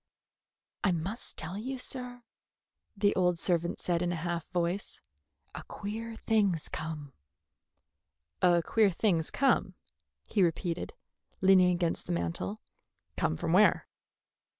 "I must tell you, sir," the old servant said in a half voice, "a queer thing's come." "A queer thing's come," he repeated, leaning against the mantel. "Come from where?"